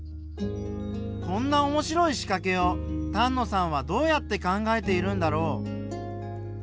こんな面白いしかけを丹野さんはどうやって考えているんだろう？